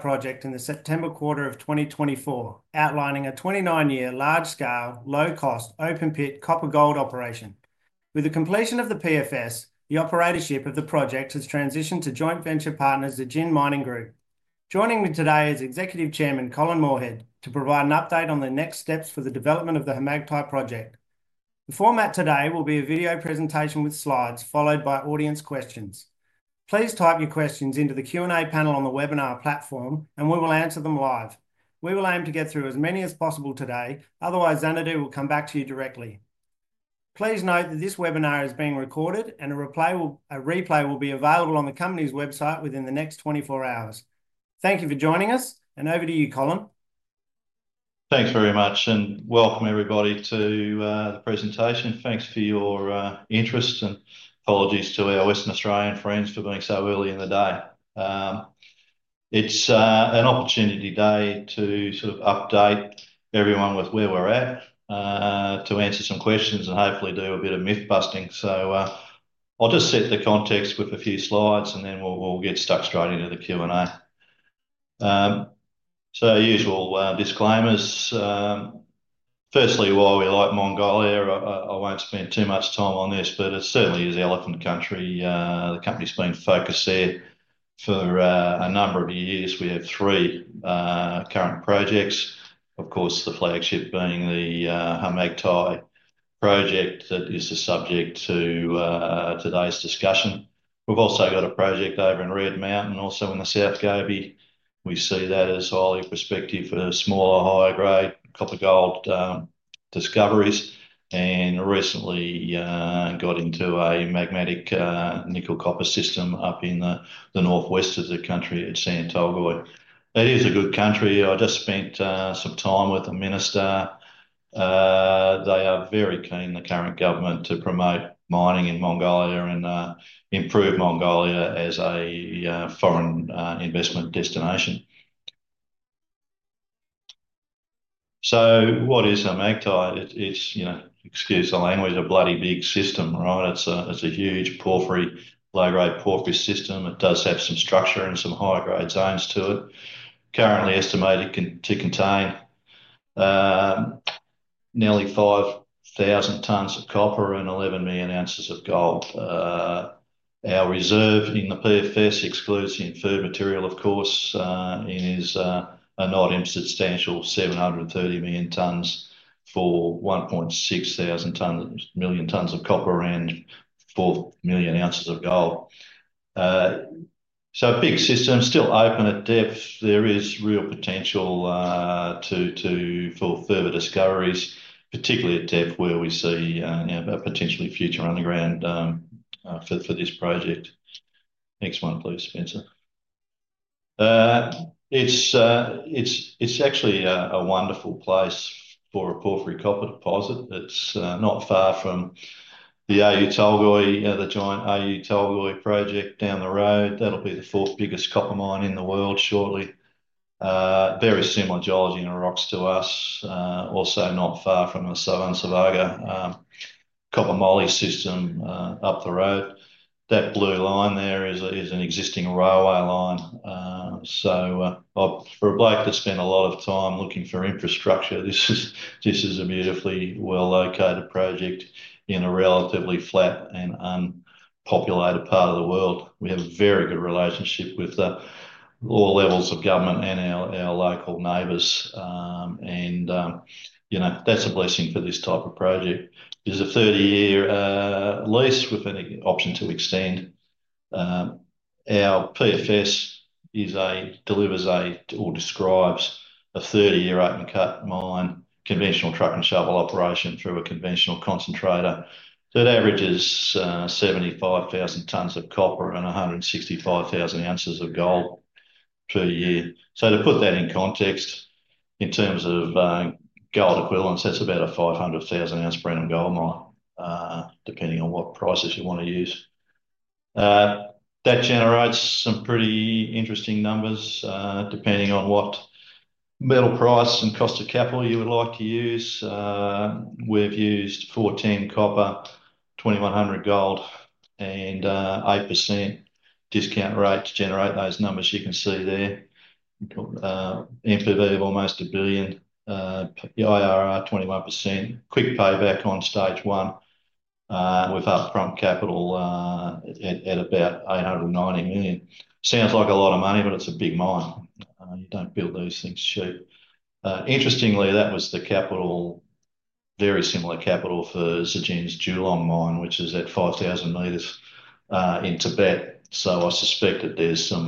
Project in the September quarter of 2024, outlining a 29-year, large-scale, low-cost, open-pit copper gold operation. With the completion of the PFS, the operatorship of the project has transitioned to joint venture partners at Zijin Mining Group. Joining me today is Executive Chairman Colin Moorhead to provide an update on the next steps for the development of the Kharmagtai project. The format today will be a video presentation with slides, followed by audience questions. Please type your questions into the Q&A panel on the webinar platform, and we will answer them live. We will aim to get through as many as possible today; otherwise, Xanadu will come back to you directly. Please note that this webinar is being recorded, and a replay will be available on the company's website within the next 24 hours. Thank you for joining us, and over to you, Colin. Thanks very much, and welcome everybody to the presentation. Thanks for your interest, and apologies to our Western Australian friends for being so early in the day. It's an opportunity today to sort of update everyone with where we're at, to answer some questions, and hopefully do a bit of myth-busting. I'll just set the context with a few slides, and then we'll get stuck straight into the Q&A. Usual disclaimers. Firstly, why we like Mongolia, I won't spend too much time on this, but it certainly is elephant country. The company's been focused there for a number of years. We have three current projects, of course, the flagship being the Kharmagtai project that is the subject of today's discussion. We've also got a project over in Red Mountain, also in the South Gobi. We see that as highly prospective for smaller, higher-grade copper gold discoveries, and recently got into a magmatic nickel-copper system up in the northwest of the country at Sant Tolgoi. That is a good country. I just spent some time with the minister. They are very keen, the current government, to promote mining in Mongolia and improve Mongolia as a foreign investment destination. What is Kharmagtai? It's, excuse the language, a bloody big system, right? It's a huge, porphyry, low-grade porphyry system. It does have some structure and some higher-grade zones to it. Currently estimated to contain nearly 5,000 tonnes of copper and 11 million ounces of gold. Our reserve in the PFS, exclusive inferred material, of course, is a not insubstantial 730 million tonnes for 1.6 million tonnes of copper and 4 million ounces of gold. A big system, still open at depth. There is real potential for further discoveries, particularly at depth where we see a potentially future underground for this project. Next one, please, Spencer. It's actually a wonderful place for a porphyry copper deposit. It's not far from the Oyu Tolgoi, the joint Oyu Tolgoi project down the road. That'll be the fourth biggest copper mine in the world shortly. Very similar geology and rocks to us. Also not far from the Tsagaan Suvarga copper moly system up the road. That blue line there is an existing railway line. For a bloke that spent a lot of time looking for infrastructure, this is a beautifully well-located project in a relatively flat and unpopulated part of the world. We have a very good relationship with all levels of government and our local neighbors, and that's a blessing for this type of project. There's a 30-year lease with an option to extend. Our PFS delivers or describes a 30-year open-cut mine, conventional truck and shovel operation through a conventional concentrator. That averages 75,000 tonnes of copper and 165,000 ounces of gold per year. To put that in context, in terms of gold equivalents, that's about a 500,000-ounce per annum gold mine, depending on what prices you want to use. That generates some pretty interesting numbers, depending on what metal price and cost of capital you would like to use. We've used $14,000 copper, $2,100 gold, and 8% discount rate to generate those numbers you can see there. NPV of almost $1 billion, IRR 21%, quick payback on stage one with upfront capital at about $890 million. Sounds like a lot of money, but it's a big mine. You don't build these things cheap. Interestingly, that was the capital, very similar capital for Zijin's Julong mine, which is at 5,000 m in Tibet. I suspect that there's some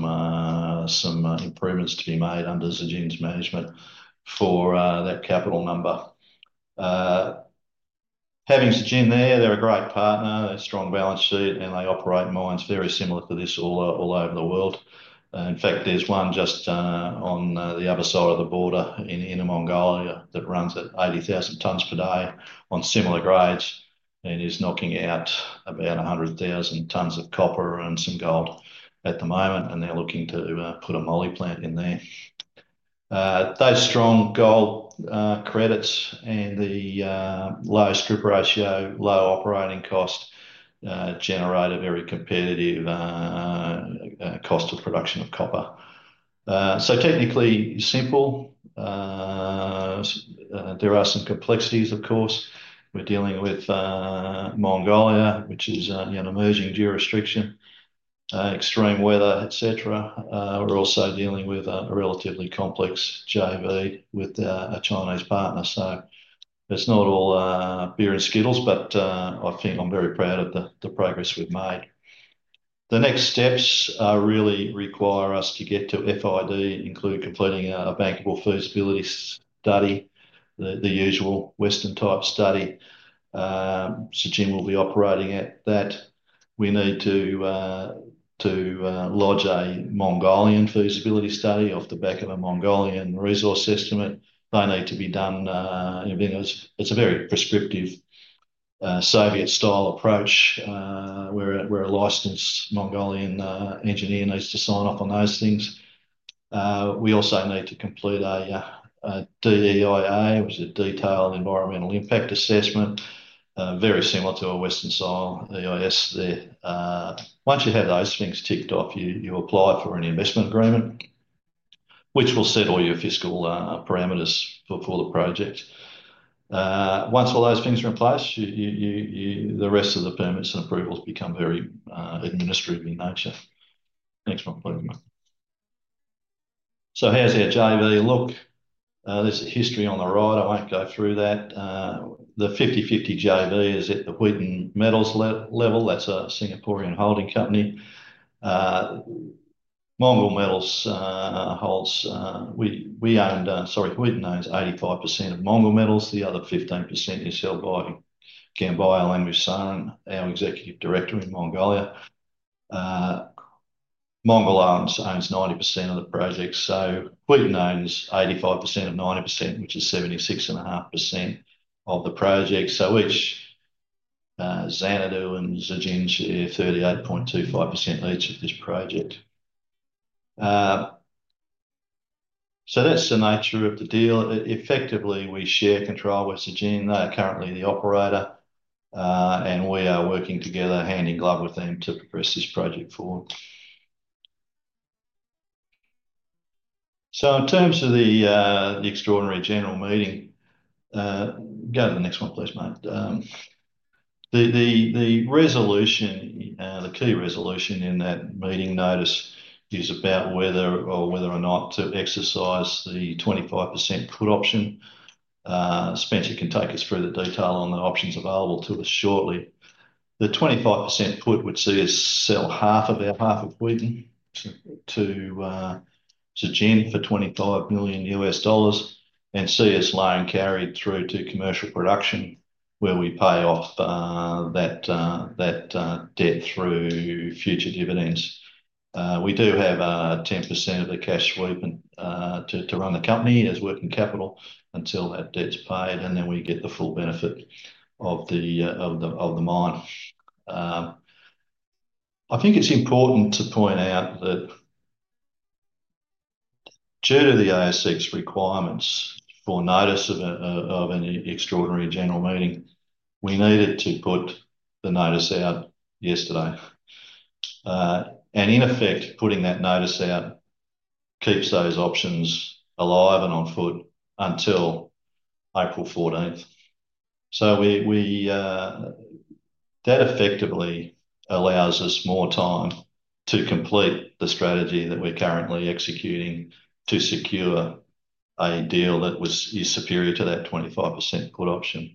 improvements to be made under Zijin's management for that capital number. Having Zijin there, they're a great partner, a strong balance sheet, and they operate mines very similar to this all over the world. In fact, there's one just on the other side of the border in Mongolia that runs at 80,000 tonnes per day on similar grades and is knocking out about 100,000 tonnes of copper and some gold at the moment, and they're looking to put a moly plant in there. Those strong gold credits and the low strip ratio, low operating cost generate a very competitive cost of production of copper. Technically simple. There are some complexities, of course. We're dealing with Mongolia, which is an emerging jurisdiction, extreme weather, etc. We're also dealing with a relatively complex JV with a Chinese partner. It's not all beer and Skittles, but I think I'm very proud of the progress we've made. The next steps really require us to get to FID, including completing a bankable feasibility study, the usual Western-type study. Zijin will be operating at that. We need to lodge a Mongolian feasibility study off the back of a Mongolian resource estimate. They need to be done. It's a very prescriptive Soviet-style approach where a licensed Mongolian engineer needs to sign off on those things. We also need to complete a DEIA, which is a Detailed Environmental Impact Assessment, very similar to a Western-style EIS there. Once you have those things ticked off, you apply for an investment agreement, which will set all your fiscal parameters for the project. Once all those things are in place, the rest of the permits and approvals become very administrative in nature. Next one, please. How does our JV look? There's a history on the right. I won't go through that. The 50/50 JV is at the Khuiten Metals level. That's a Singaporean holding company. Khuiten owns 85% of Mongol Metals. The other 15% is held by Ganbayar Lkhagvasuren, our Executive Director in Mongolia. Mongol Metals owns 90% of the project. So Khuiten owns 85% of 90%, which is 76.5% of the project. Each Xanadu and Zijin share 38.25% each of this project. That's the nature of the deal. Effectively, we share control with Zijin. They are currently the operator, and we are working together, hand in glove with them, to progress this project forward. In terms of the extraordinary general meeting, go to the next one, please, mate. The resolution, the key resolution in that meeting notice is about whether or not to exercise the 25% put option. Spencer can take us through the detail on the options available to us shortly. The 25% put would see us sell half of our half of Khuiten to Zijin for $25 million and see us loan carried through to commercial production, where we pay off that debt through future dividends. We do have 10% of the cash sweep to run the company as working capital until that debt's paid, and then we get the full benefit of the mine. I think it's important to point out that due to the ASX requirements for notice of an extraordinary general meeting, we needed to put the notice out yesterday. In effect, putting that notice out keeps those options alive and on foot until April 14th. That effectively allows us more time to complete the strategy that we're currently executing to secure a deal that is superior to that 25% put option.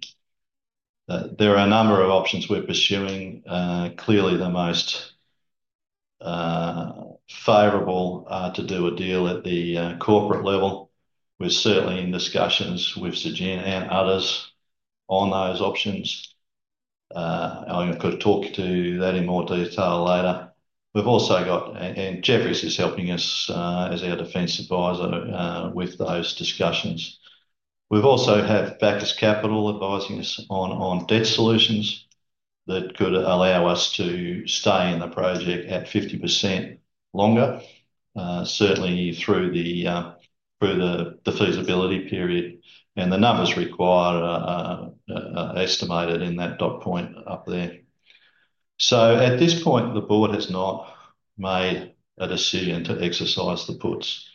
There are a number of options we're pursuing. Clearly, the most favourable is to do a deal at the corporate level. We're certainly in discussions with Zijin and others on those options. I could talk to that in more detail later. Jefferies is helping us as our defence advisor with those discussions. We also have Bacchus Capital advising us on debt solutions that could allow us to stay in the project at 50% longer, certainly through the feasibility period, and the numbers required are estimated in that dot point up there. At this point, the board has not made a decision to exercise the puts.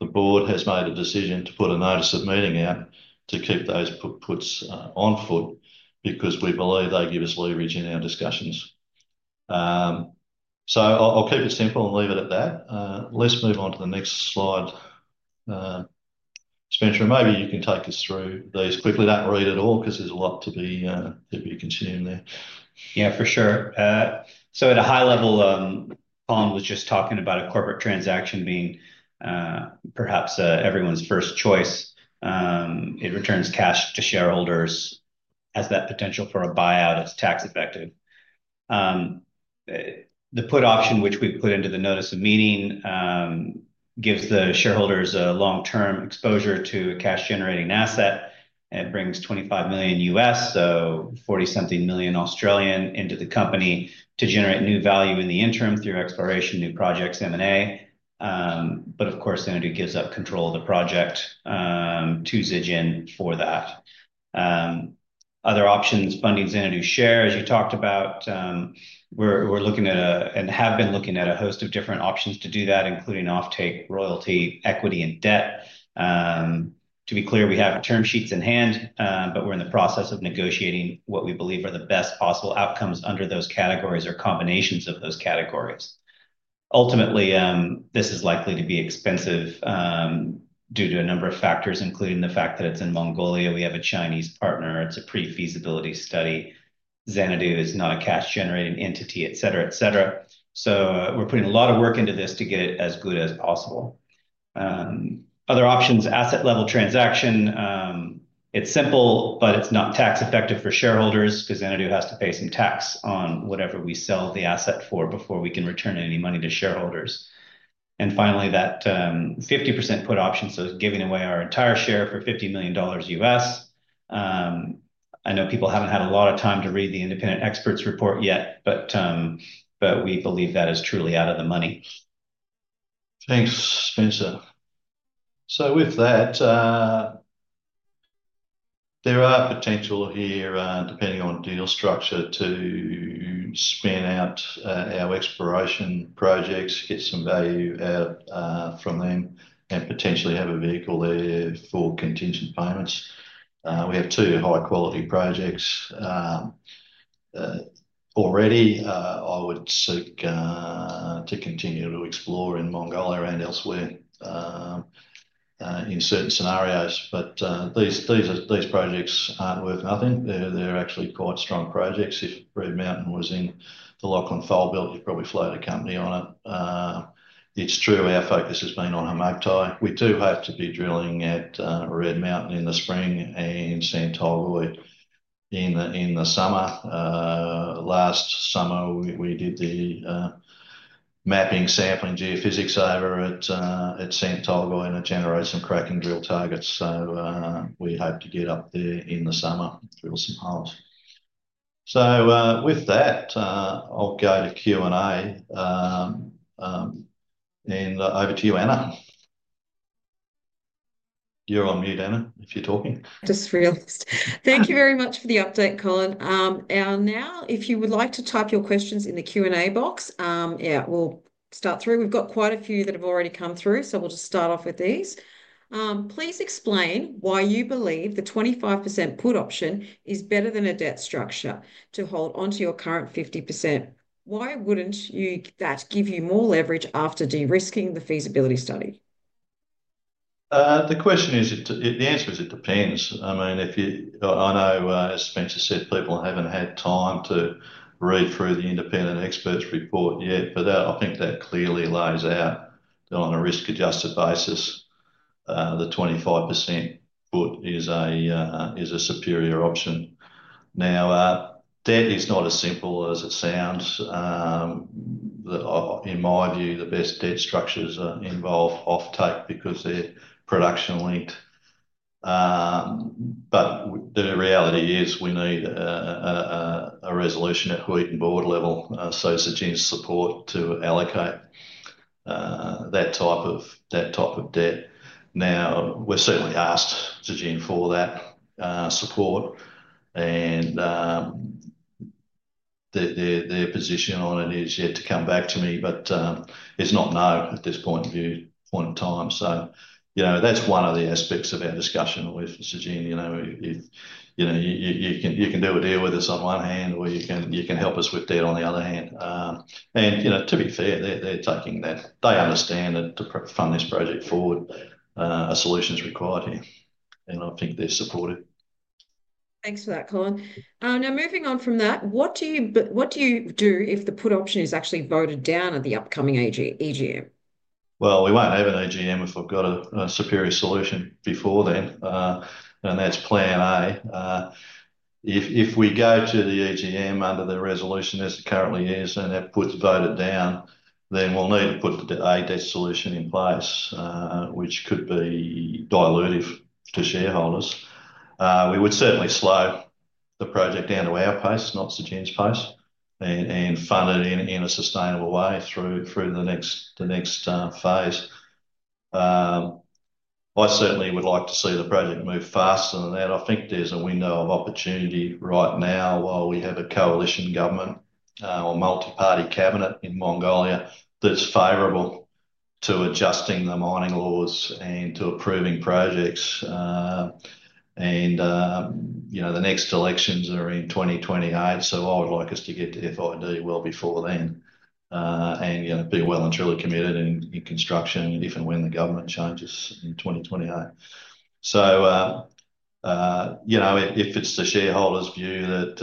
The board has made a decision to put a notice of meeting out to keep those puts on foot because we believe they give us leverage in our discussions. I'll keep it simple and leave it at that. Let's move on to the next slide. Spencer, maybe you can take us through these quickly. Don't read it all because there's a lot to be continuing there. Yeah, for sure. At a high level, Colin was just talking about a corporate transaction being perhaps everyone's first choice. It returns cash to shareholders, has that potential for a buyout, and is tax-effective. The put option, which we put into the notice of meeting, gives the shareholders a long-term exposure to a cash-generating asset. It brings $25 million, so 40-something million, into the company to generate new value in the interim through exploration, new projects, M&A. Of course, Xanadu gives up control of the project to Zijin for that. Other options, funding Xanadu's share, as you talked about, we're looking at and have been looking at a host of different options to do that, including off-take, royalty, equity, and debt. To be clear, we have term sheets in hand, but we're in the process of negotiating what we believe are the best possible outcomes under those categories or combinations of those categories. Ultimately, this is likely to be expensive due to a number of factors, including the fact that it's in Mongolia. We have a Chinese partner. It's a pre-feasibility study. Xanadu is not a cash-generating entity, etc., etc. We are putting a lot of work into this to get it as good as possible. Other options, asset-level transaction. It's simple, but it's not tax-effective for shareholders because Xanadu has to pay some tax on whatever we sell the asset for before we can return any money to shareholders. Finally, that 50% put option. Giving away our entire share for $50 million U.S. I know people haven't had a lot of time to read the independent expert's report yet, but we believe that is truly out of the money. Thanks, Spencer. With that, there are potential here, depending on deal structure, to spin out our exploration projects, get some value out from them, and potentially have a vehicle there for contingent payments. We have two high-quality projects already. I would seek to continue to explore in Mongolia and elsewhere in certain scenarios. These projects are not worth nothing. They are actually quite strong projects. If Red Mountain was in the Lachlan Fold Belt, you would probably float a company on it. It is true. Our focus has been on Kharmagtai. We do have to be drilling at Red Mountain in the spring and Sant Tolgoi in the summer. Last summer, we did the mapping, sampling, geophysics over at Sant Tolgoi and it generated some cracking drill targets. We hope to get up there in the summer, drill some holes. With that, I will go to Q&A. Over to you, Anna. You're on mute, Anna, if you're talking. Just realized. Thank you very much for the update, Colin. Now, if you would like to type your questions in the Q&A box, yeah, we'll start through. We've got quite a few that have already come through, so we'll just start off with these. Please explain why you believe the 25% put option is better than a debt structure to hold onto your current 50%. Why wouldn't that give you more leverage after de-risking the feasibility study? The question is, the answer is it depends. I mean, I know, as Spencer said, people haven't had time to read through the independent expert's report yet, but I think that clearly lays out that on a risk-adjusted basis, the 25% put is a superior option. Now, debt is not as simple as it sounds. In my view, the best debt structures involve off-take because they're production-linked. The reality is we need a resolution at Khuiten board level for Zijin's support to allocate that type of debt. We have certainly asked Zijin for that support, and their position on it is yet to come back to me, but it's not no at this point in time. That is one of the aspects of our discussion with Zijin. You can do a deal with us on one hand, or you can help us with debt on the other hand. To be fair, they're taking that. They understand that to fund this project forward, a solution is required here. I think they're supportive. Thanks for that, Colin. Now, moving on from that, what do you do if the put option is actually voted down at the upcoming EGM? We will not have an EGM if we have a superior solution before then. That is plan A. If we go to the EGM under the resolution as it currently is, and that gets voted down, then we will need to put a debt solution in place, which could be dilutive to shareholders. We would certainly slow the project down to our pace, not Zijin's pace, and fund it in a sustainable way through the next phase. I certainly would like to see the project move faster than that. I think there is a window of opportunity right now while we have a coalition government or multi-party cabinet in Mongolia that is favorable to adjusting the mining laws and to approving projects. The next elections are in 2028, so I would like us to get to FID well before then and be well and truly committed in construction if and when the government changes in 2028. If it's the shareholders' view that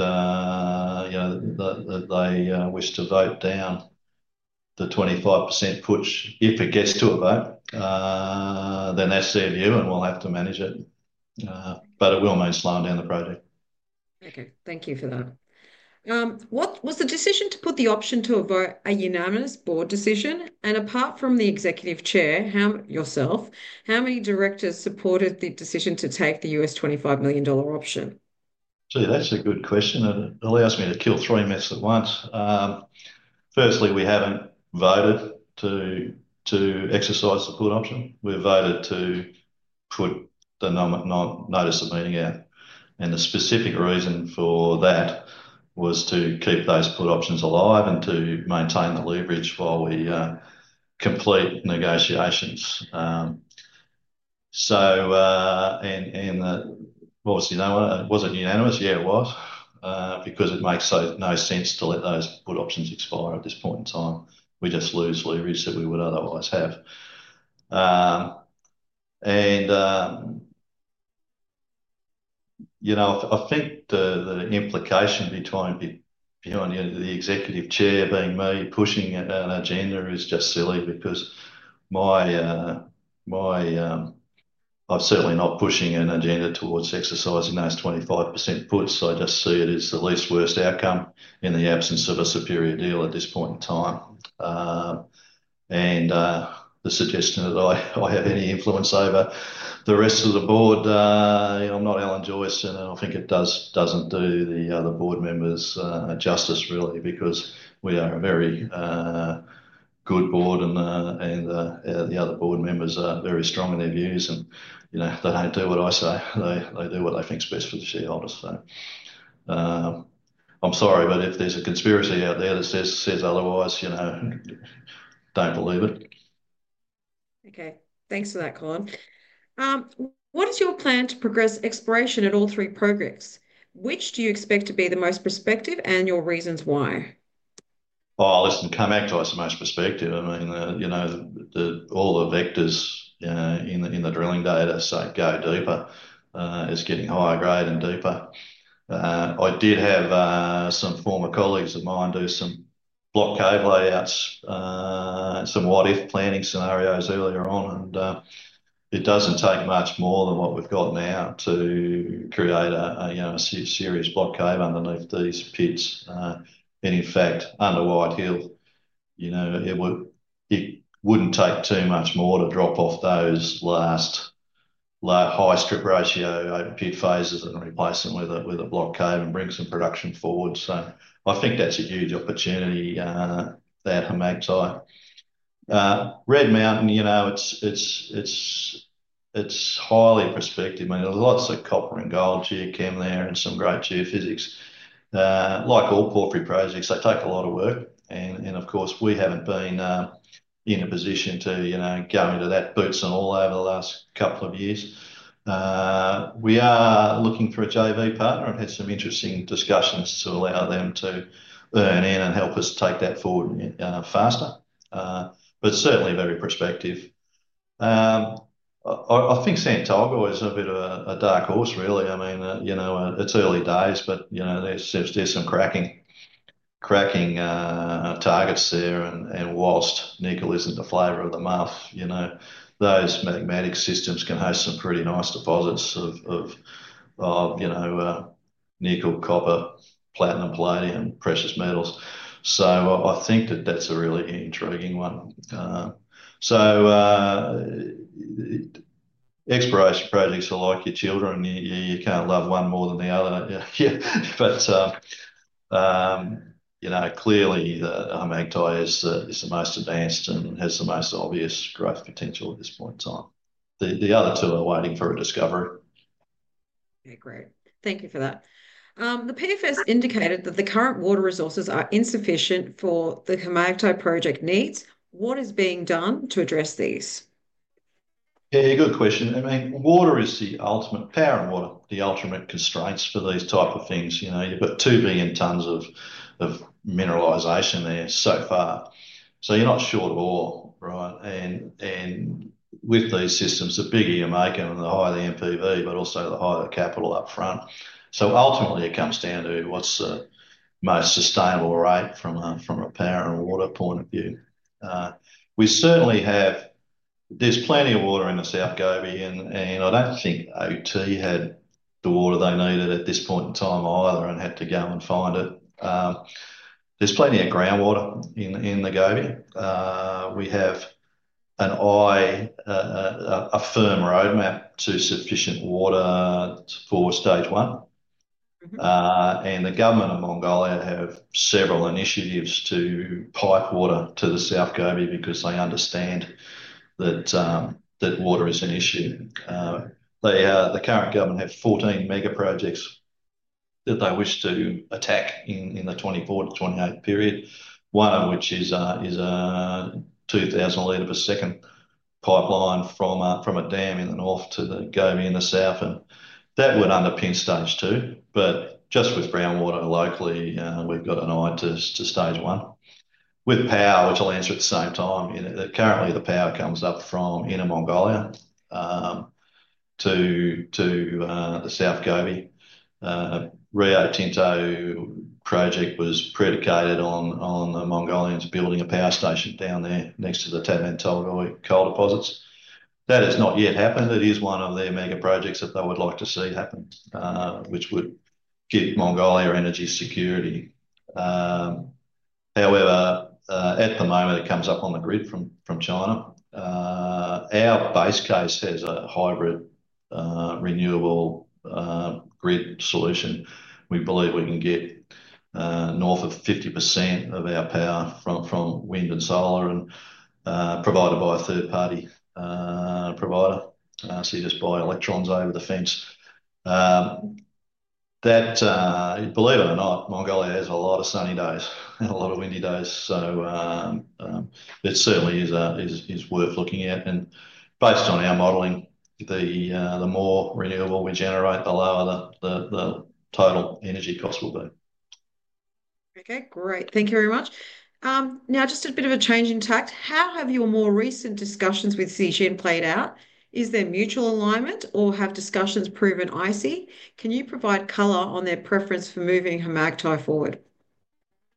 they wish to vote down the 25% put, if it gets to a vote, then that's their view, and we'll have to manage it. It will mean slowing down the project. Okay. Thank you for that. Was the decision to put the option to a vote a unanimous board decision? Apart from the Executive Chair, yourself, how many directors supported the decision to take the $25 million option? See, that's a good question. It allows me to kill three myths at once. Firstly, we haven't voted to exercise the put option. We voted to put the notice of meeting out. The specific reason for that was to keep those put options alive and to maintain the leverage while we complete negotiations. Of course, you know what? Was it unanimous? Yeah, it was, because it makes no sense to let those put options expire at this point in time. We just lose leverage that we would otherwise have. I think the implication between the Executive Chair being me, pushing an agenda is just silly because I'm certainly not pushing an agenda towards exercising those 25% puts. I just see it as the least worst outcome in the absence of a superior deal at this point in time. The suggestion that I have any influence over the rest of the board, I'm not Alan Joyce, and I think it doesn't do the other board members justice, really, because we are a very good board, and the other board members are very strong in their views, and they don't do what I say. They do what they think's best for the shareholders. I'm sorry, but if there's a conspiracy out there that says otherwise, don't believe it. Okay. Thanks for that, Colin. What is your plan to progress exploration at all three projects? Which do you expect to be the most prospective and your reasons why? Oh, listen, come back to us the most prospective. I mean, all the vectors in the drilling data say go deeper. It's getting higher grade and deeper. I did have some former colleagues of mine do some block cave layouts, some what-if planning scenarios earlier on, and it doesn't take much more than what we've got now to create a serious block cave underneath these pits. In fact, under White Hill, it wouldn't take too much more to drop off those last high strip ratio pit phases and replace them with a block cave and bring some production forward. I think that's a huge opportunity, that Kharmagtai. Red Mountain, it's highly prospective. I mean, there's lots of copper and gold geochem there and some great geophysics. Like all porphyry projects, they take a lot of work. Of course, we haven't been in a position to go into that boots and all over the last couple of years. We are looking for a JV partner and had some interesting discussions to allow them to burn in and help us take that forward faster. Certainly very prospective. I think Sant Tolgoi is a bit of a dark horse, really. I mean, it's early days, but there's some cracking targets there. Whilst nickel isn't the flavor of the month, those magmatic systems can host some pretty nice deposits of nickel, copper, platinum, palladium, precious metals. I think that that's a really intriguing one. Exploration projects are like your children. You can't love one more than the other. Clearly, Kharmagtai is the most advanced and has the most obvious growth potential at this point in time. The other two are waiting for a discovery. Okay, great. Thank you for that. The PFS indicated that the current water resources are insufficient for the Kharmagtai project needs. What is being done to address these? Yeah, good question. I mean, water is the ultimate power and water the ultimate constraint for these type of things. You've got 2 billion tons of mineralisation there so far. So you're not short of oil, right? And with these systems, the bigger you make them, the higher the NPV, but also the higher the capital upfront. Ultimately, it comes down to what's the most sustainable rate from a power and water point of view. We certainly have, there's plenty of water in the South Gobi, and I don't think OT had the water they needed at this point in time either and had to go and find it. There's plenty of groundwater in the Gobi. We have a firm roadmap to sufficient water for stage one. The government of Mongolia have several initiatives to pipe water to the South Gobi because they understand that water is an issue. The current government have 14 mega projects that they wish to attack in the 2024 to 2028 period, one of which is a 2,000 l per second pipeline from a dam in the north to the Gobi in the south. That would underpin stage two. Just with groundwater locally, we've got an eye to stage one. With power, which I'll answer at the same time, currently the power comes up from Inner Mongolia to the South Gobi. The Rio Tinto project was predicated on the Mongolians building a power station down there next to the Tavan Tolgoi coal deposits. That has not yet happened. It is one of their mega projects that they would like to see happen, which would give Mongolia energy security. However, at the moment, it comes up on the grid from China. Our base case has a hybrid renewable grid solution. We believe we can get north of 50% of our power from wind and solar and provided by a third-party provider. You just buy electrons over the fence. Believe it or not, Mongolia has a lot of sunny days and a lot of windy days. It certainly is worth looking at. Based on our modelling, the more renewable we generate, the lower the total energy cost will be. Okay, great. Thank you very much. Now, just a bit of a change in tact. How have your more recent discussions with Zijin played out? Is there mutual alignment, or have discussions proven icy? Can you provide color on their preference for moving Kharmagtai forward?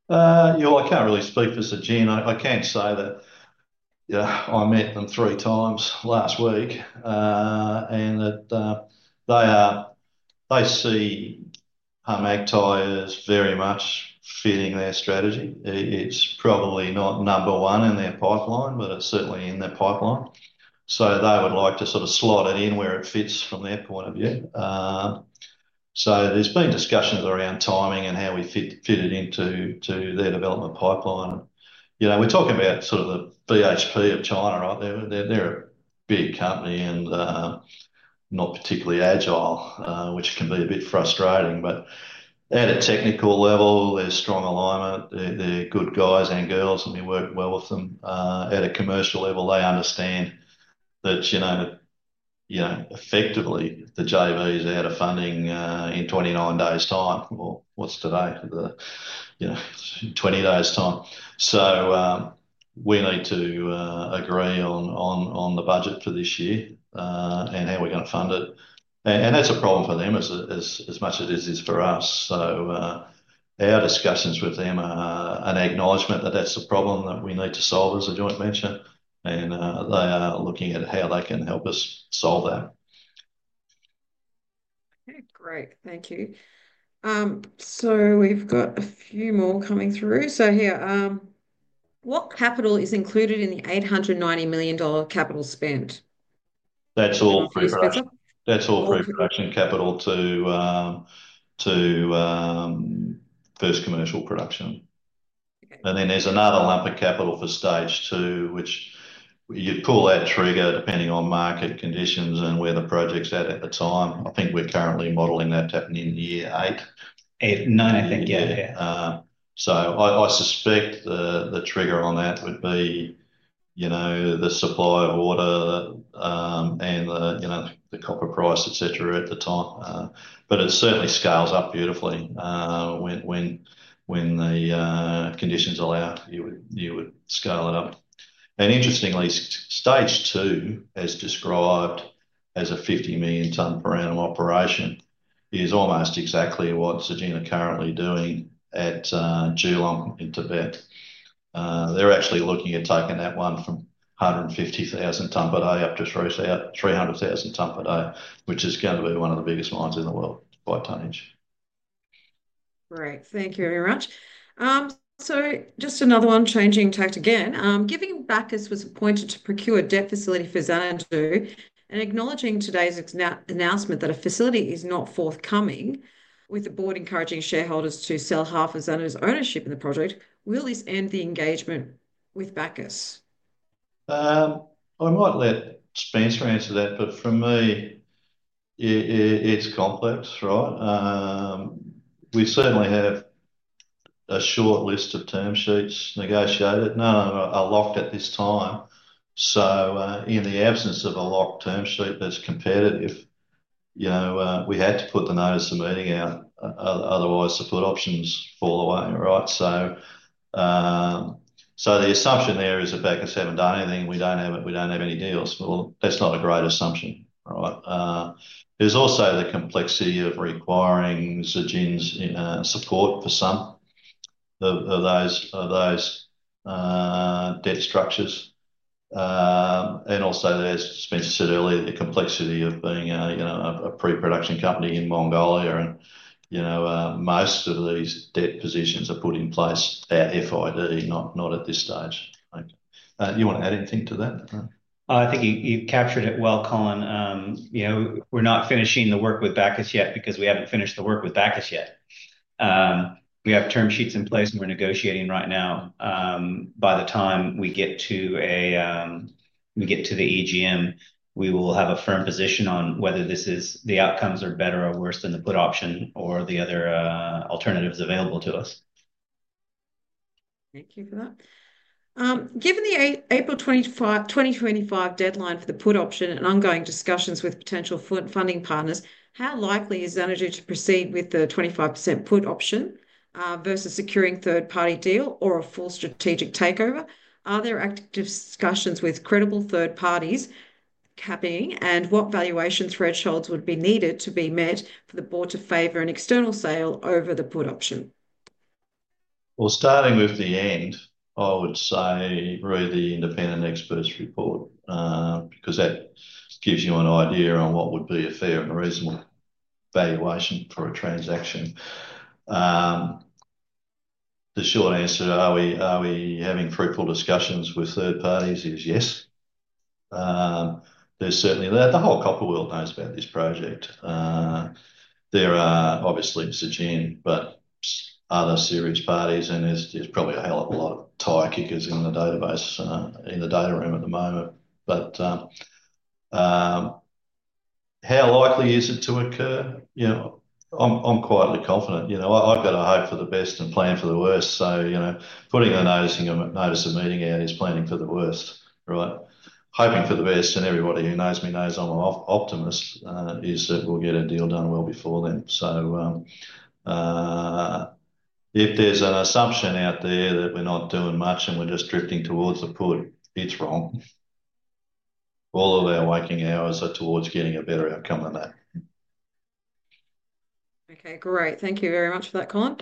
Yeah, I can't really speak for Zijin. I can say that I met them three times last week, and that they see Kharmagtai as very much fitting their strategy. It's probably not number one in their pipeline, but it's certainly in their pipeline. They would like to sort of slot it in where it fits from their point of view. There have been discussions around timing and how we fit it into their development pipeline. We're talking about sort of the BHP of China, right? They're a big company and not particularly agile, which can be a bit frustrating. At a technical level, there's strong alignment. They're good guys and girls, and we work well with them. At a commercial level, they understand that effectively the JV is out of funding in 29 days' time, or what's today? 20 days' time. We need to agree on the budget for this year and how we're going to fund it. That's a problem for them as much as it is for us. Our discussions with them are an acknowledgement that that's a problem that we need to solve as a joint venture. They are looking at how they can help us solve that. Okay, great. Thank you. We have a few more coming through. Here, what capital is included in the $890 million capital spent? That's all pre-production capital to first commercial production. Then there's another lump of capital for stage two, which you'd pull that trigger depending on market conditions and where the project's at at the time. I think we're currently modelling that to happen in year eight. Eight, nine, I think. Yeah, yeah. I suspect the trigger on that would be the supply of water and the copper price, etc., at the time. It certainly scales up beautifully. When the conditions allow, you would scale it up. Interestingly, stage two, as described as a 50 million tonne per annum operation, is almost exactly what Zijin are currently doing at Julong in Tibet. They are actually looking at taking that one from 150,000 tonne per day up to 300,000 tonne per day, which is going to be one of the biggest mines in the world by tonnage. Great. Thank you very much. Just another one, changing tact again. Giving Bacchus was appointed to procure a debt facility for Xanadu and acknowledging today's announcement that a facility is not forthcoming, with the board encouraging shareholders to sell half of Xanadu's ownership in the project, will this end the engagement with Bacchus? I might let Spencer answer that, but for me, it's complex, right? We certainly have a short list of term sheets negotiated. None of them are locked at this time. In the absence of a locked term sheet that's competitive, we had to put the notice of meeting out, otherwise the put options fall away, right? The assumption there is that Bacchus haven't done anything, and we don't have any deals. That's not a great assumption, right? There's also the complexity of requiring Zijin's support for some of those debt structures. Also, as Spencer said earlier, the complexity of being a pre-production company in Mongolia. Most of these debt positions are put in place at FID, not at this stage. You want to add anything to that? I think you captured it well, Colin. We're not finishing the work with Bacchus yet because we haven't finished the work with Bacchus yet. We have term sheets in place, and we're negotiating right now. By the time we get to the EGM, we will have a firm position on whether the outcomes are better or worse than the put option or the other alternatives available to us. Thank you for that. Given the April 2025 deadline for the put option and ongoing discussions with potential funding partners, how likely is Xanadu to proceed with the 25% put option versus securing third-party deal or a full strategic takeover? Are there active discussions with credible third parties happening, and what valuation thresholds would be needed to be met for the board to favour an external sale over the put option? Starting with the end, I would say read the independent experts report because that gives you an idea on what would be a fair and reasonable valuation for a transaction. The short answer to are we having fruitful discussions with third parties is yes. There's certainly the whole copper world knows about this project. There are obviously Zijin, but other serious parties, and there's probably a hell of a lot of tire-kickers in the data room at the moment. How likely is it to occur? I'm quietly confident. I've got to hope for the best and plan for the worst. Putting a notice of meeting out is planning for the worst, right? Hoping for the best, and everybody who knows me knows I'm an optimist, is that we'll get a deal done well before then. If there's an assumption out there that we're not doing much and we're just drifting towards the put, it's wrong. All of our waking hours are towards getting a better outcome than that. Okay, great. Thank you very much for that, Colin.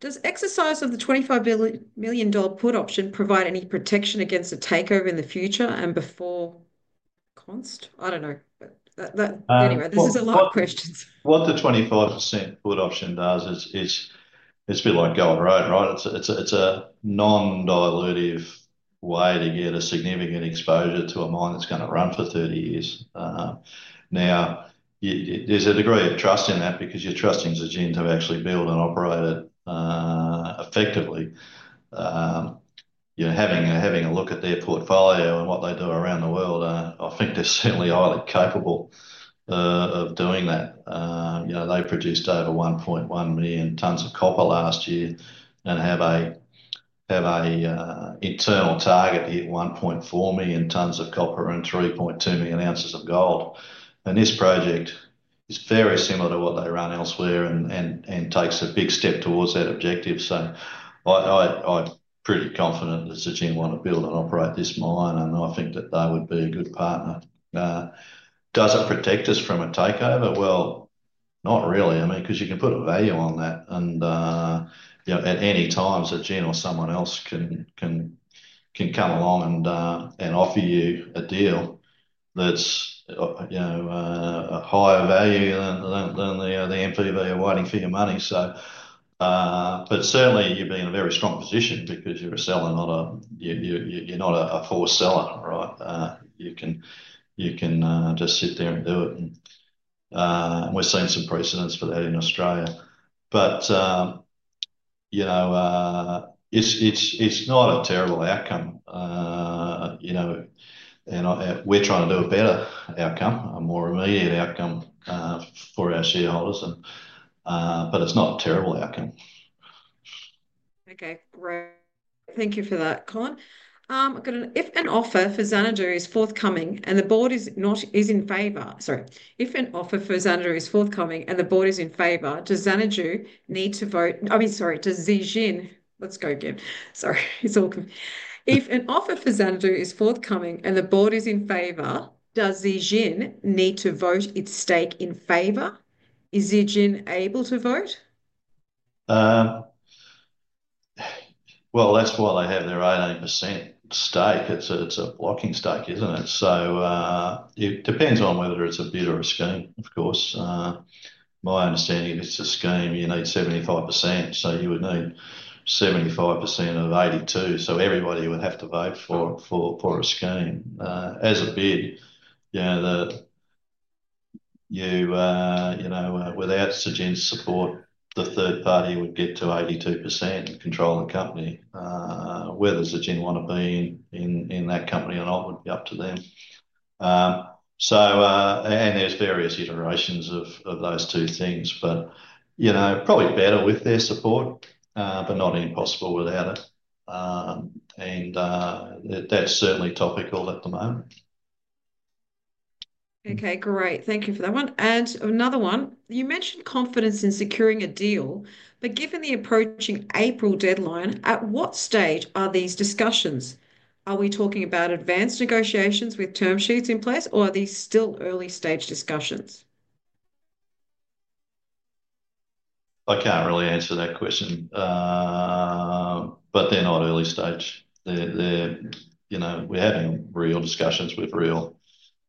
Does exercise of the $25 million put option provide any protection against a takeover in the future and before construction? I don't know. Anyway, this is a lot of questions. What the 25% put option does is a bit like Gold Road, right? It's a non-dilutive way to get a significant exposure to a mine that's going to run for 30 years. Now, there's a degree of trust in that because you're trusting Zijin to actually build and operate it effectively. Having a look at their portfolio and what they do around the world, I think they're certainly highly capable of doing that. They produced over 1.1 million tons of copper last year and have an internal target to hit 1.4 million tons of copper and 3.2 million ounces of gold. This project is very similar to what they run elsewhere and takes a big step towards that objective. I'm pretty confident that Zijin want to build and operate this mine, and I think that they would be a good partner. Does it protect us from a takeover? Not really. I mean, because you can put a value on that. At any time, Zijin or someone else can come along and offer you a deal that's a higher value than the NPV or waiting for your money. Certainly, you're in a very strong position because you're a seller, not a forced seller, right? You can just sit there and do it. We've seen some precedents for that in Australia. It's not a terrible outcome. We're trying to do a better outcome, a more immediate outcome for our shareholders. It's not a terrible outcome. Okay, great. Thank you for that, Colin. If an offer for Xanadu is forthcoming and the board is in favour, does Xanadu need to vote, I mean, sorry, does Zijin need to vote its stake in favour? Is Zijin able to vote? That is why they have their 88% stake. It is a blocking stake, is it not? It depends on whether it is a bid or a scheme, of course. My understanding, if it is a scheme, you need 75%. You would need 75% of 82%. Everybody would have to vote for a scheme. As a bid, without Zijin's support, the third party would get to 82% and control the company. Whether Zijin want to be in that company or not would be up to them. There are various iterations of those two things, but probably better with their support, but not impossible without it. That is certainly topical at the moment. Okay, great. Thank you for that one. Another one. You mentioned confidence in securing a deal, but given the approaching April deadline, at what stage are these discussions? Are we talking about advanced negotiations with term sheets in place, or are these still early-stage discussions? I can't really answer that question, but they're not early stage. We're having real discussions with real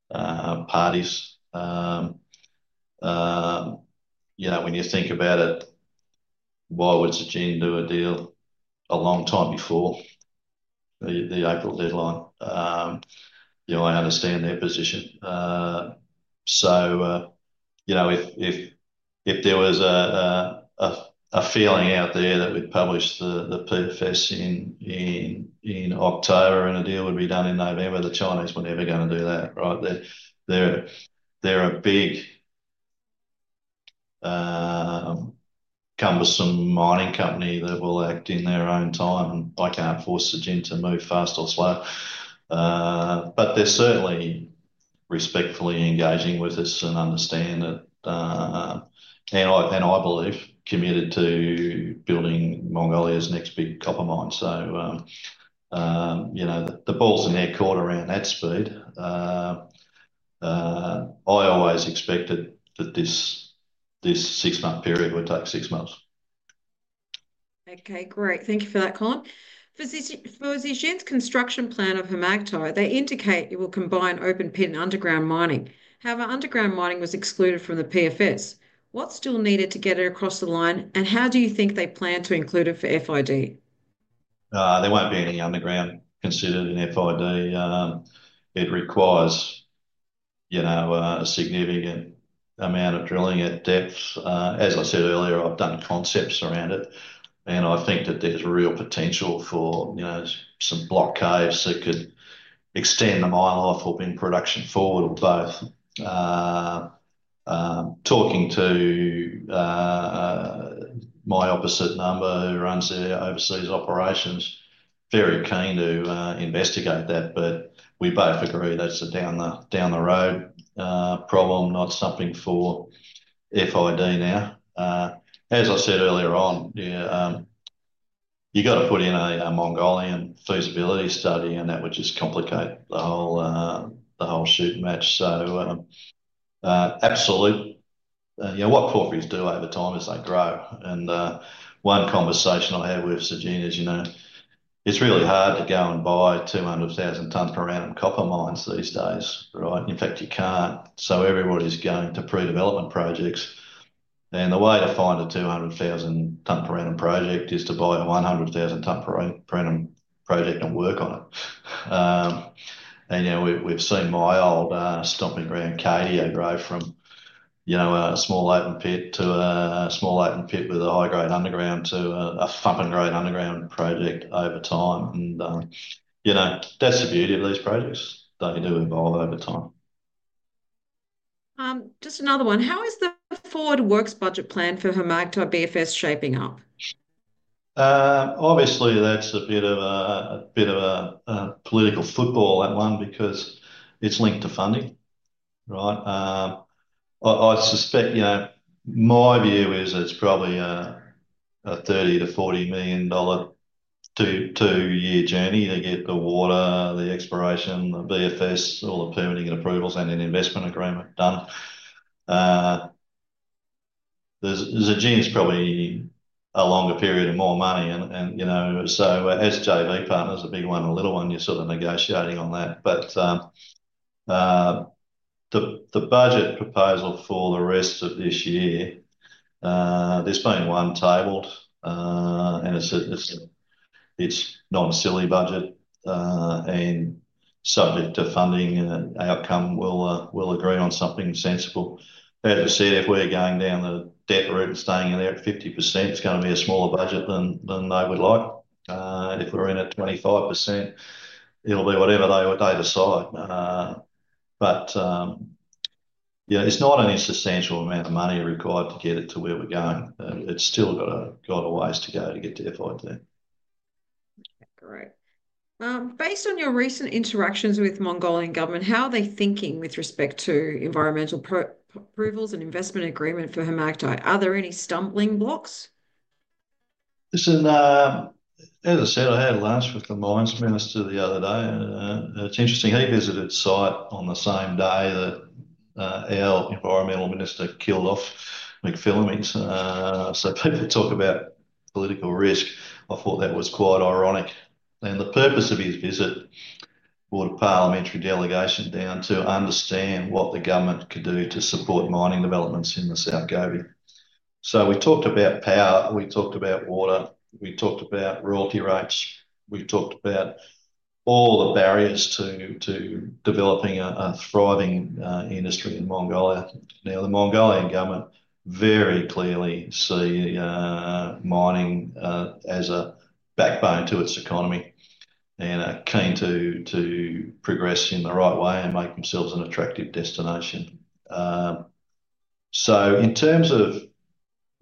parties. When you think about it, why would Zijin do a deal a long time before the April deadline? I understand their position. If there was a feeling out there that we'd publish the PFS in October and a deal would be done in November, the Chinese were never going to do that, right? They're a big, cumbersome mining company that will act in their own time, and I can't force Zijin to move fast or slow. They're certainly respectfully engaging with us and understand it. I believe committed to building Mongolia's next big copper mine. The ball's in their court around that speed. I always expected that this six-month period would take six months. Okay, great. Thank you for that, Colin. For Zijin's construction plan of Kharmagtai, they indicate it will combine open-pit and underground mining. However, underground mining was excluded from the PFS. What's still needed to get it across the line, and how do you think they plan to include it for FID? There won't be any underground considered in FID. It requires a significant amount of drilling at depth. As I said earlier, I've done concepts around it. I think that there's real potential for some block caves that could extend the mine life or bring production forward or both. Talking to my opposite number, who runs overseas operations, very keen to investigate that, but we both agree that's a down-the-road problem, not something for FID now. As I said earlier on, you've got to put in a Mongolian feasibility study, and that would just complicate the whole shooting match. Absolutely. What porphyries do over time as they grow? One conversation I had with Zijin is, it's really hard to go and buy 200,000 tonne per annum copper mines these days, right? In fact, you can't. Everybody's going to pre-development projects. The way to find a 200,000 tonne per annum project is to buy a 100,000 tonne per annum project and work on it. We've seen my old stomping ground, Kharmagtai, go from a small open-pit to a small open-pit with a high-grade underground to a fumbling-grade underground project over time. That's the beauty of these projects. They do evolve over time. Just another one. How is the Forward Works budget plan for Kharmagtai BFS shaping up? Obviously, that's a bit of a political football, that one, because it's linked to funding, right? I suspect my view is it's probably a $30 million to $40 million two-year journey to get the water, the exploration, the BFS, all the permitting and approvals, and an investment agreement done. Zijin's probably a longer period and more money. As JV partners, a big one and a little one, you're sort of negotiating on that. The budget proposal for the rest of this year, there's been one tabled, and it's not a silly budget and subject to funding. Our company will agree on something sensible. As we said, if we're going down the debt route and staying in there at 50%, it's going to be a smaller budget than they would like. If we're in at 25%, it'll be whatever they decide. It is not an insubstantial amount of money required to get it to where we're going. It still has a ways to go to get to FID. Okay, great. Based on your recent interactions with the Mongolian government, how are they thinking with respect to environmental approvals and investment agreement for Kharmagtai? Are there any stumbling blocks? Listen, as I said, I had lunch with the Mines Minister the other day. It's interesting. He visited site on the same day that our Environmental Minister killed off McPhillamys. People talk about political risk. I thought that was quite ironic. The purpose of his visit brought a parliamentary delegation down to understand what the government could do to support mining developments in the South Gobi. We talked about power. We talked about water. We talked about royalty rates. We talked about all the barriers to developing a thriving industry in Mongolia. The Mongolian government very clearly sees mining as a backbone to its economy and are keen to progress in the right way and make themselves an attractive destination. In terms of,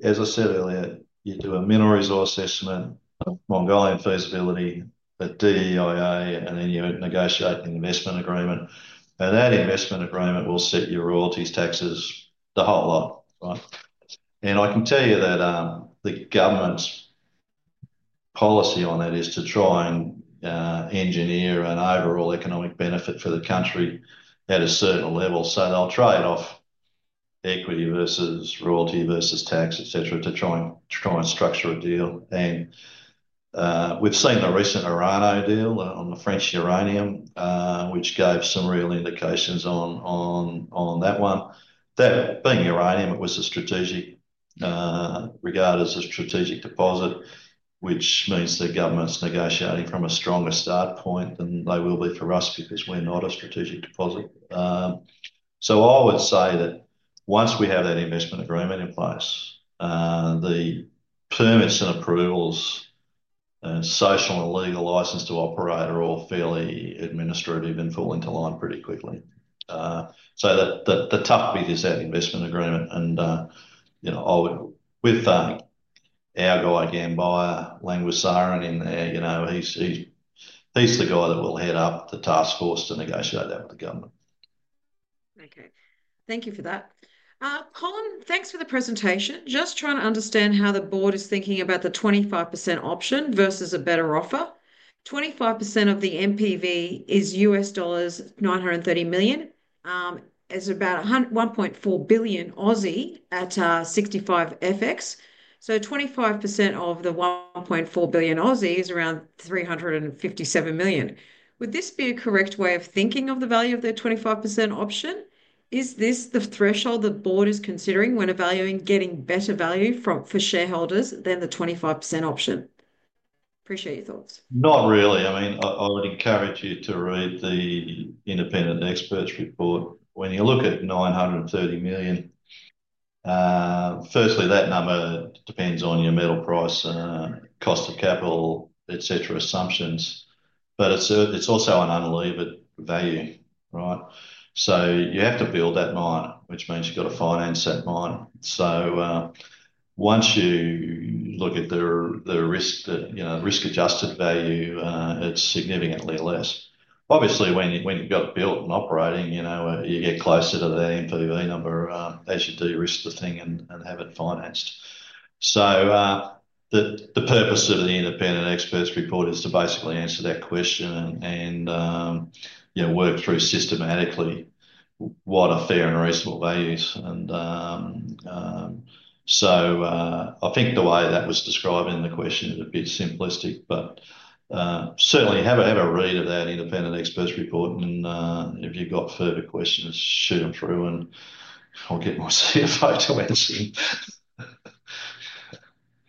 as I said earlier, you do a mineral resource assessment, Mongolian feasibility, a DEIA, and then you negotiate an investment agreement. That investment agreement will set your royalties, taxes, the whole lot, right? I can tell you that the government's policy on that is to try and engineer an overall economic benefit for the country at a certain level. They'll trade off equity versus royalty versus tax, etc., to try and structure a deal. We've seen the recent Orano deal on the French uranium, which gave some real indications on that one. Being uranium, it was regarded as a strategic deposit, which means the government's negotiating from a stronger start point than they will be for us because we're not a strategic deposit. I would say that once we have that investment agreement in place, the permits and approvals, social and legal license to operate are all fairly administrative and fall into line pretty quickly. The tough bit is that investment agreement. With our guy, Ganbayar Lkhagvasuren, in there, he's the guy that will head up the task force to negotiate that with the government. Okay. Thank you for that. Colin, thanks for the presentation. Just trying to understand how the board is thinking about the 25% option versus a better offer. 25% of the NPV is $930 million. It's about 1.4 billion at 65 FX. So 25% of the 1.4 billion is around 357 million. Would this be a correct way of thinking of the value of the 25% option? Is this the threshold the board is considering when evaluating getting better value for shareholders than the 25% option? Appreciate your thoughts. Not really. I mean, I would encourage you to read the independent experts report. When you look at $930 million, firstly, that number depends on your metal price, cost of capital, etc., assumptions. It is also an unbelievable value, right? You have to build that mine, which means you have to finance that mine. Once you look at the risk-adjusted value, it is significantly less. Obviously, when you have it built and operating, you get closer to that NPV number as you de-risk the thing and have it financed. The purpose of the independent experts report is to basically answer that question and work through systematically what are fair and reasonable values. I think the way that was described in the question is a bit simplistic, but certainly have a read of that independent experts report. If you've got further questions, shoot them through, and I'll get my CFO to answer them.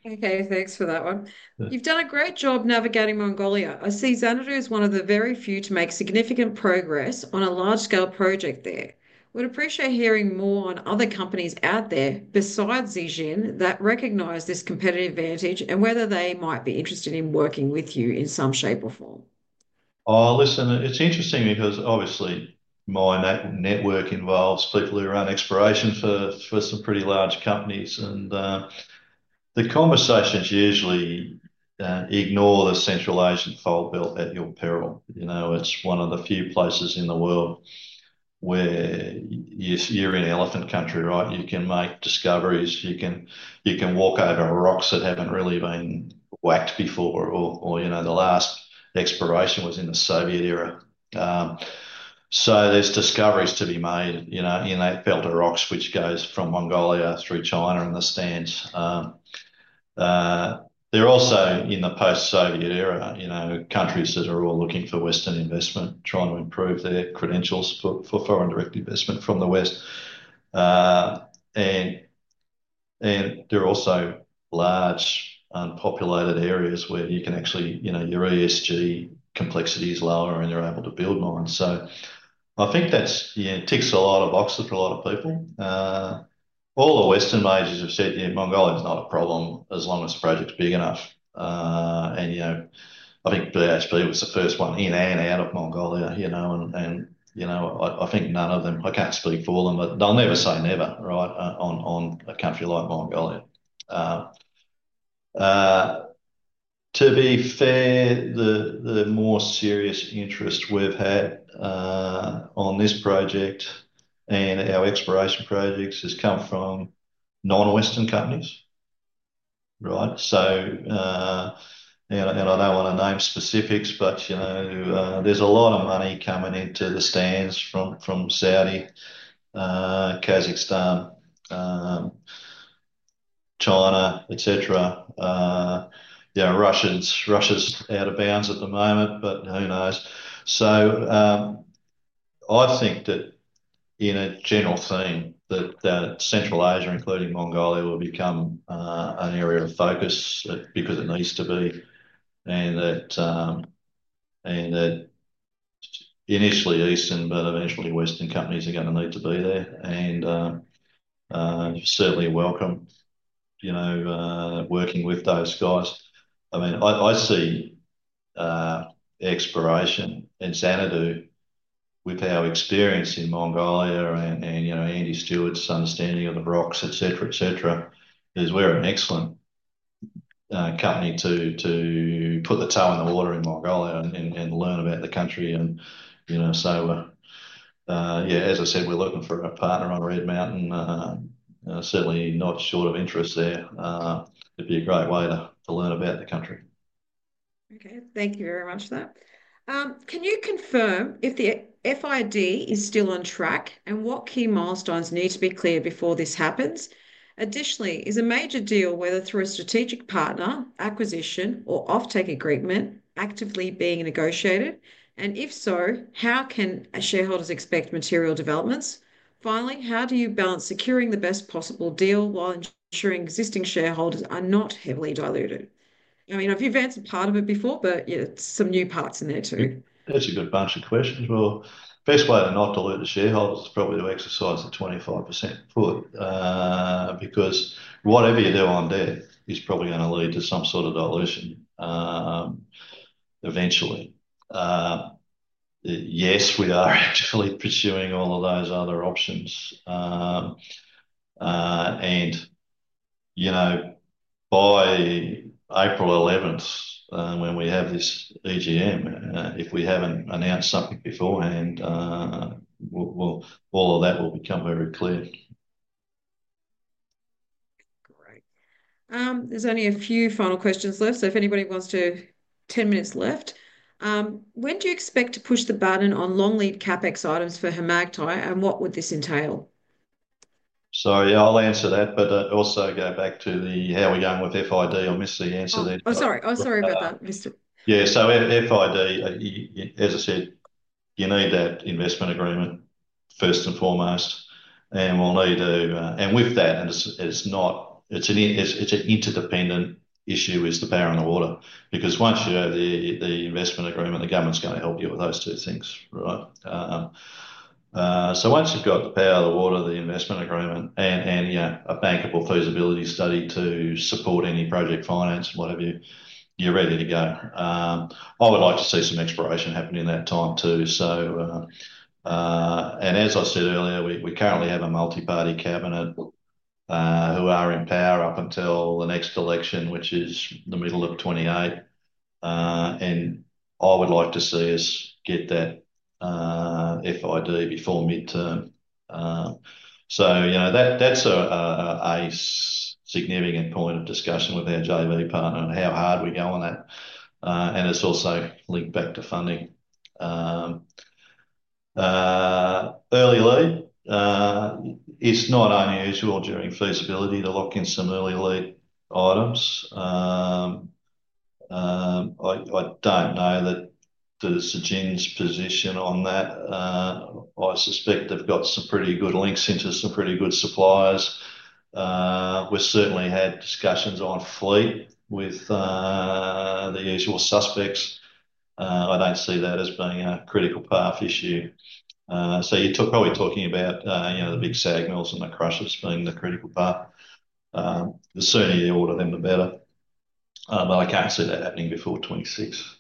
Okay. Thanks for that one. You've done a great job navigating Mongolia. I see Xanadu as one of the very few to make significant progress on a large-scale project there. Would appreciate hearing more on other companies out there besides Zijin that recognize this competitive advantage and whether they might be interested in working with you in some shape or form. Listen, it's interesting because obviously my network involves people who run exploration for some pretty large companies. The conversations usually ignore the Central Asian fold belt at your peril. It's one of the few places in the world where you're in elephant country, right? You can make discoveries. You can walk over rocks that haven't really been whacked before, or the last exploration was in the Soviet era. There are discoveries to be made in that belt of rocks, which goes from Mongolia through China and the Stans. They're also in the post-Soviet era, countries that are all looking for Western investment, trying to improve their credentials for foreign direct investment from the West. There are also large unpopulated areas where you can actually your ESG complexity is lower, and you're able to build mines. I think that ticks a lot of boxes for a lot of people. All the Western majors have said, "Mongolia is not a problem as long as the project's big enough." I think BHP was the first one in and out of Mongolia. I think none of them, I can't speak for them, but they'll never say never, right, on a country like Mongolia. To be fair, the more serious interest we've had on this project and our exploration projects has come from non-Western companies, right? I don't want to name specifics, but there's a lot of money coming into the stands from Saudi, Kazakhstan, China, etc. Russia's out of bounds at the moment, but who knows? I think that in a general theme, that Central Asia, including Mongolia, will become an area of focus because it needs to be. Initially Eastern, but eventually Western companies are going to need to be there. I certainly welcome working with those guys. I mean, I see exploration in Xanadu with our experience in Mongolia and Andy Stewart's understanding of the rocks, etc., etc., as we're an excellent company to put the toe in the water in Mongolia and learn about the country. As I said, we're looking for a partner on Red Mountain. Certainly not short of interest there. It would be a great way to learn about the country. Okay. Thank you very much for that. Can you confirm if the FID is still on track and what key milestones need to be cleared before this happens? Additionally, is a major deal, whether through a strategic partner, acquisition, or off-take agreement, actively being negotiated? If so, how can shareholders expect material developments? Finally, how do you balance securing the best possible deal while ensuring existing shareholders are not heavily diluted? I mean, I've advanced a part of it before, but some new parts in there too. That's a good bunch of questions. The best way to not dilute the shareholders is probably to exercise the 25% pull because whatever you do on there is probably going to lead to some sort of dilution eventually. Yes, we are actually pursuing all of those other options. By April 11th, when we have this EGM, if we haven't announced something beforehand, all of that will become very clear. Great. There's only a few final questions left. If anybody wants to, 10 minutes left. When do you expect to push the button on long lead CapEx items for Kharmagtai and what would this entail? Sorry, I'll answer that, but also go back to the how are we going with FID? I missed the answer there. Oh, sorry. Oh, sorry about that. Yeah. FID, as I said, you need that investment agreement first and foremost. We'll need to, and with that, it's an interdependent issue with the power and the water because once you have the investment agreement, the government's going to help you with those two things, right? Once you've got the power, the water, the investment agreement, and a bankable feasibility study to support any project finance, what have you, you're ready to go. I would like to see some exploration happening in that time too. As I said earlier, we currently have a multi-party cabinet who are in power up until the next election, which is the middle of 2028. I would like to see us get that FID before midterm. That's a significant point of discussion with our JV partner on how hard we go on that. It is also linked back to funding. Early lead. It is not unusual during feasibility to lock in some early lead items. I do not know the Zijin's position on that. I suspect they have got some pretty good links into some pretty good suppliers. We certainly had discussions on fleet with the usual suspects. I do not see that as being a critical path issue. You are probably talking about the big SAG mills and the crushers being the critical path. The sooner you order them, the better. I cannot see that happening before 2026.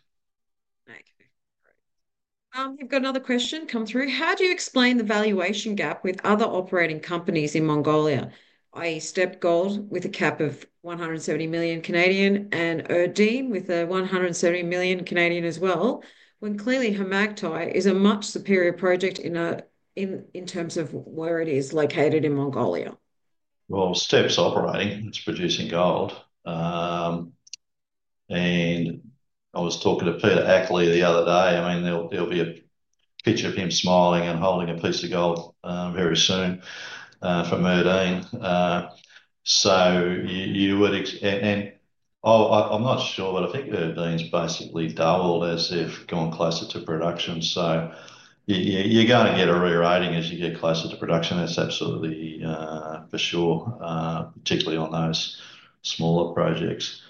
Okay. Great. We've got another question come through. How do you explain the valuation gap with other operating companies in Mongolia, i.e., Steppe Gold with a cap of 170 million and Erdene with a 170 million as well, when clearly Kharmagtai is a much superior project in terms of where it is located in Mongolia? Gold is operating. It's producing gold. I was talking to Peter Akerley the other day. I mean, there'll be a picture of him smiling and holding a piece of gold very soon from Erdene. You would, and I'm not sure, but I think Erdene's basically doubled as they've gone closer to production. You're going to get a re-rating as you get closer to production. That's absolutely for sure, particularly on those smaller projects.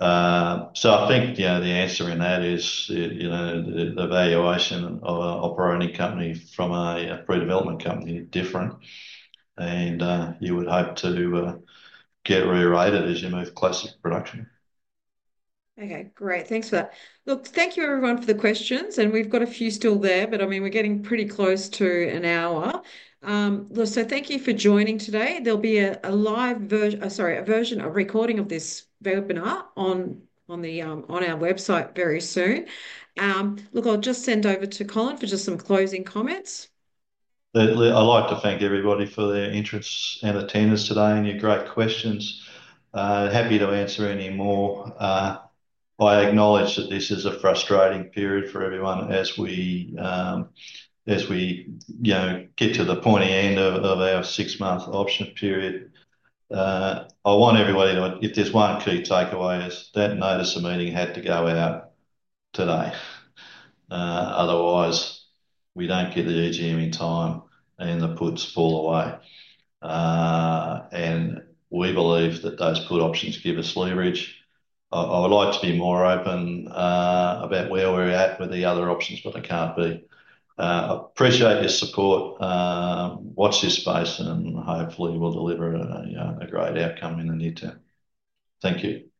I think the answer in that is the valuation of an operating company from a pre-development company is different. You would hope to get re-rated as you move classic production. Okay. Great. Thanks for that. Look, thank you, everyone, for the questions. I mean, we've got a few still there, but I mean, we're getting pretty close to an hour. Look, thank you for joining today. There'll be a version of recording of this webinar on our website very soon. Look, I'll just send over to Colin for just some closing comments. I'd like to thank everybody for their interest and attendance today and your great questions. Happy to answer any more. I acknowledge that this is a frustrating period for everyone as we get to the pointy end of our six-month option period. I want everybody to, if there's one key takeaway, it's that notice of meeting had to go out today. Otherwise, we don't get the EGM in time and the puts fall away. We believe that those put options give us leverage. I would like to be more open about where we're at with the other options, but I can't be. Appreciate your support. Watch this space, and hopefully, we'll deliver a great outcome in the near term. Thank you.